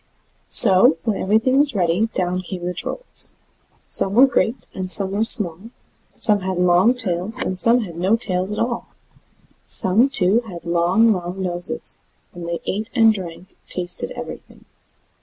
So, when everything was ready, down came the Trolls. Some were great, and some were small; some had long tails, and some had no tails at all; some, too, had long, long noses; and they ate and drank, and tasted everything.